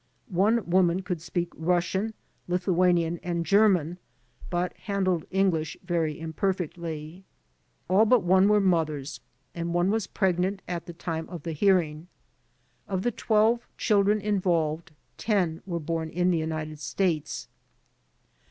One woman could speak Russian, Lithuanian and German but handled English very imperfectly. All but one were mothers, and one was pregnant at the time of the hearing. Of the 12 children involved 10 were bom in the United States.